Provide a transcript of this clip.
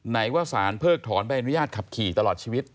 ไหนว่าสารเพิกถอนใบอนุญาตขับขี่ตลอดชีวิต